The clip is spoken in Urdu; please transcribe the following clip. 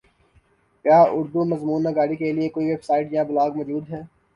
کیا اردو مضمون نگاری کیلئے کوئ ویبسائٹ یا بلاگ موجود ہے